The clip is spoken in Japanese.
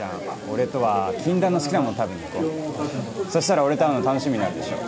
俺とは禁断の好きなもの食べに行こうそしたら俺と会うの楽しみになるでしょ